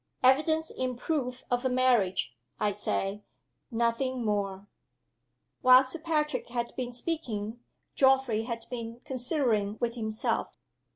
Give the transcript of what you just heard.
Evidence in proof of a marriage (I say) nothing more." While Sir Patrick had been speaking, Geoffrey had been considering with himself.